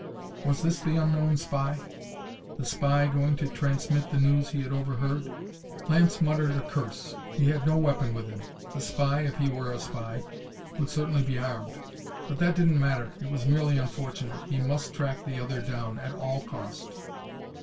Was this the unknown spy? The spy, going to transmit the news he had overheard? Lance muttered a curse. He had no weapon with him; the spy, if he were a spy, would certainly be armed. But that didn't matter; it was merely unfortunate. He must track the other down, at all cost.